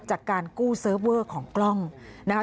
จากการกู้เซิร์ฟเวอร์ของกล้องนะคะ